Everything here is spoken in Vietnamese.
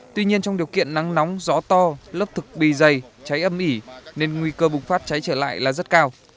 tuy nhiên trong điều kiện nắng nóng gió to lớp thực bì dày cháy âm ỉ nên nguy cơ bùng phát cháy trở lại là rất cao